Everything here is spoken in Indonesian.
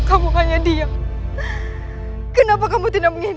aduh kumat lagi